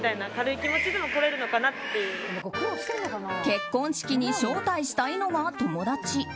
結婚式に招待したいのが友達。